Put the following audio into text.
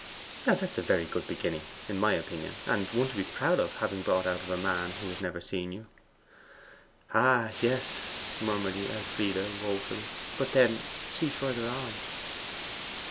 Now, that's a very good beginning, in my opinion, and one to be proud of having brought out of a man who has never seen you.' 'Ah, yes,' murmured Elfride wofully. 'But, then, see further on!